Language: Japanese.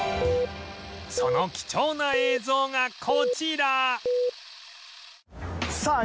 その貴重な映像がこちらさあ